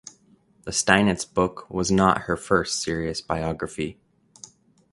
The Steinitz book was not her first serious biography.